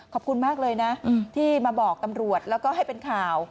ขอบคุณมากเลยนะที่มาบอกตำรวจแล้วก็ให้เป็นข่าว